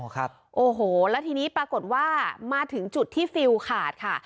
ครับโอ้โหแล้วทีนี้ปรากฏว่ามาถึงจุดที่ฟิลขาดค่ะ